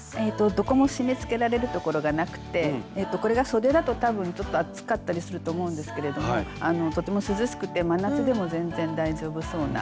どこも締めつけられるところがなくてこれがそでだと多分ちょっと暑かったりすると思うんですけれどもとても涼しくて真夏でも全然大丈夫そうな。